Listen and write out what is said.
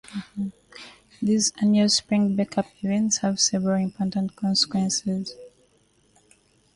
These annual spring break-up events have several important consequences.